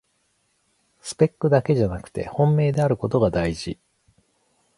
スペックじゃなくて本命であることがだいじ